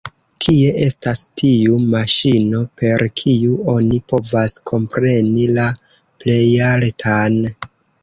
Kie estas tiu maŝino, per kiu oni povas kompreni la Plejaltan?